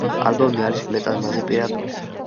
ალბომი არის მეტად ნაზი, პირადული.